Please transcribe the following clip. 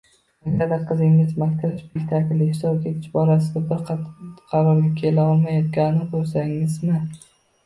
Agarda qizingiz maktab spektaklida ishtirok etish borasida bir qarorga kela olmayotganini ko‘rsingizmi?